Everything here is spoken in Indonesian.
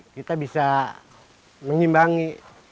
kita bisa mengimbangi